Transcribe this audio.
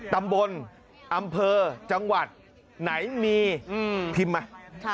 ตำบลอำเภอจังหวัดไหนมีพิมพ์มา